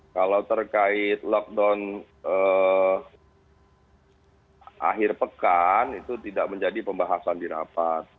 kalau terkait lockdown akhir pekan itu tidak menjadi pembahasan di rapat